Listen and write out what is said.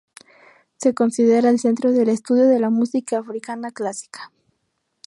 Se considera el centro del estudio de la música africana clásica.